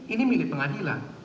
ini milik pengadilan